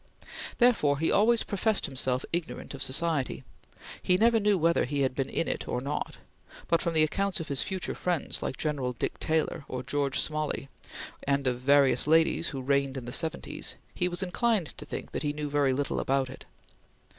Therefore he always professed himself ignorant of society; he never knew whether he had been in it or not, but from the accounts of his future friends, like General Dick Taylor or George Smalley, and of various ladies who reigned in the seventies, he inclined to think that he knew very little about it.